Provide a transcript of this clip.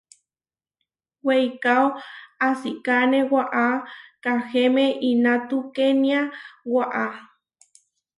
Weikáo asikáne waʼá Kahéme inatukénia waʼá.